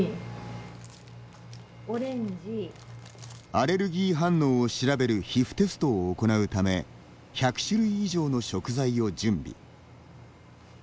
アレルギー反応を調べる皮膚テストを行うため１００種類以上の食材を準備。